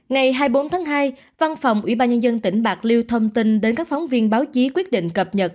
ngày hai mươi bốn tháng hai văn phòng ủy ban nhân dân tỉnh bạc liêu thông tin đến các phóng viên báo chí quyết định cập nhật